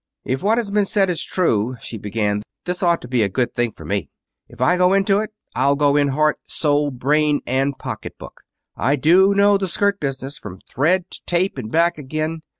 "If what has been said is true," she began, "this ought to be a good thing for me. If I go into it, I'll go in heart, soul, brain, and pocket book. I do know the skirt business from thread to tape and back again.